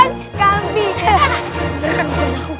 ngerakan bukan aku